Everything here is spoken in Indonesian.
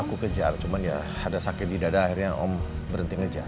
aku kejar cuma ya ada sakit di dada akhirnya om berhenti ngejar